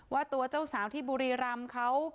ว่าตัวเจ้าสาวที่บุรีรำเขา